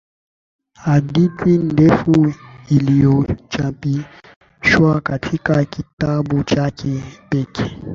Hadithi ndefu iliyochapishwa katika kitabu chake pekee.